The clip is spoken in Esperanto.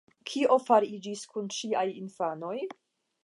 Kio fariĝis kun ŝiaj infanoj?